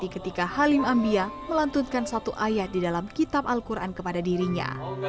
ketika halim ambia melantunkan satu ayat di dalam kitab al quran kepada dirinya